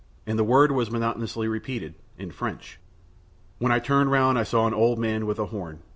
And the word was monotonously repeated, in French. When I turned round I saw an old man with a horn.